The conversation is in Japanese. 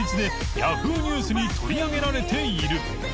Ｙａｈｏｏ！ ニュースに取り上げられている）